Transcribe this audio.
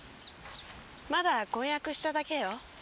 まだ婚約しただけよ。